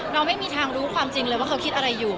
ไม่มีทางรู้ความจริงเลยว่าเขาคิดอะไรอยู่